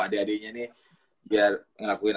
adik adiknya ini biar ngelakuin